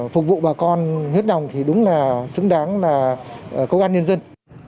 phục vụ bà con huyết đồng thì đúng là xứng đáng là công an nhân dân